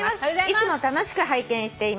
「いつも楽しく拝見しています」